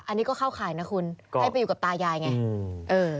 อันนี้ก็เข้าข่ายนะคุณให้ไปอยู่กับตายายไงอืมเออ